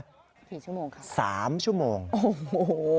กี่ชั่วโมงคะสามชั่วโมงโอ้โห